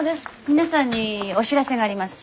皆さんにお知らせがあります。